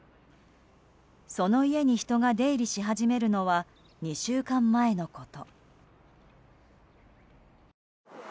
その家に人が出入りし始めるのは２週間前のこと。